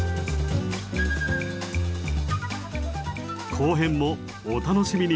後編もお楽しみに。